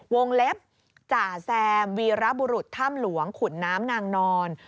วงเล็บจ่าแซมวีรบุรุษถ้ำหลวงขุนน้ำนางนอน